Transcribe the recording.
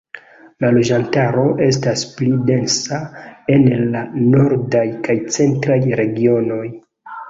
La loĝantaro estas pli densa en la nordaj kaj centraj regionoj.